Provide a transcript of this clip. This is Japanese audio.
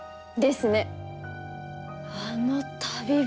あの旅人。